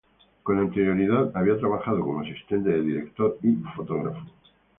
Con anterioridad había trabajado como asistente de director y fotógrafo.